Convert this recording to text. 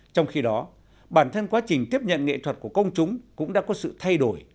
trong khi đó bản thân quá trình tiếp nhận nghệ thuật của công chúng cũng đã có sự thay đổi